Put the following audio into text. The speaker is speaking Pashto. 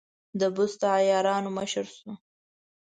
د بست د عیارانو مشر شو.